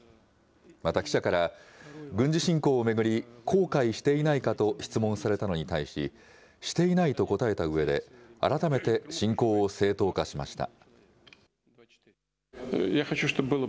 また、記者から、軍事侵攻を巡り、後悔していないかと質問されたのに対し、していないと答えたうえで、改めて侵攻を正当化しました。